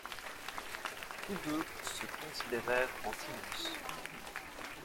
Tous deux se considérèrent en silence.